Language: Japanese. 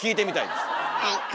はい。